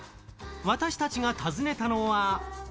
私たちが訪ねたのは。